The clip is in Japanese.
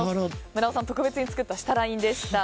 村尾さんが特別に作った設楽印でした。